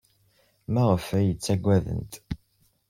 Maɣef ay iyi-ttaggadent?